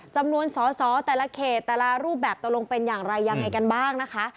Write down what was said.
จำนวนสอสอแต่ละเขตแต่ละรูปแบบตกลงเป็นอย่างไรยังไงกันบ้างนะคะ